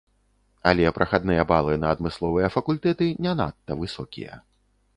Але прахадныя балы на адмысловыя факультэты не надта высокія.